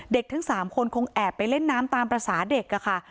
ทั้ง๓คนคงแอบไปเล่นน้ำตามภาษาเด็กค่ะ